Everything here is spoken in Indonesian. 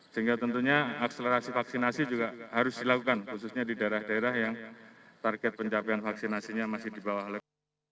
sehingga tentunya akselerasi vaksinasi juga harus dilakukan khususnya di daerah daerah yang target pencapaian vaksinasinya masih di bawah level